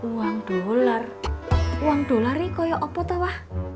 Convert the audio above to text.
uang dolar uang dolar ini kayak apa tuh ma